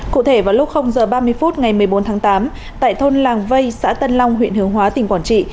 cụ thể vào lúc h ba mươi phút ngày một mươi bốn tháng tám tại thôn làng vây xã tân long huyện hướng hóa tỉnh quảng trị